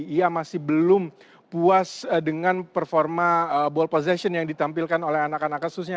ia masih belum puas dengan performa ball possession yang ditampilkan oleh anak anak kasusnya